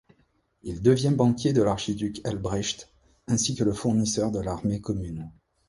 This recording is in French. Il devient banquier de l'archiduc Albrecht, ainsi que le fournisseur de l'Armée commune.